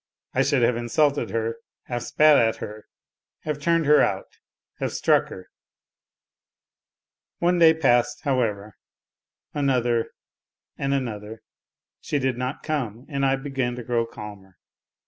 I should have insulted her, have spat at her, have turned her out, have struck her ! One day passed, however, another and another; she did not come and I began to grow calmer.